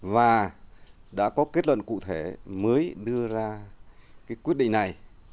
và đã có kết luận cụ thể mới đưa ra cái quyết định này